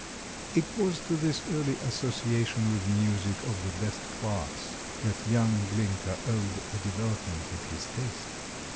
It was to this early association with music of the best class that young Glinka owed the development of his taste.